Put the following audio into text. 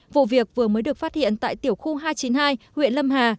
vụ việc vừa mới được phát hiện tại tiểu khu hai trăm chín mươi hai huyện lâm hà